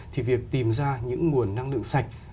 thì việc tìm ra những nguồn năng lượng sạch